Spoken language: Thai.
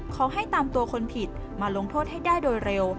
ขอให้ตามตัวคนผิดมาลงโทษให้ได้โดยเร็ว